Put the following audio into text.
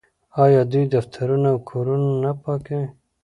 آیا دوی دفترونه او کورونه نه پاکوي؟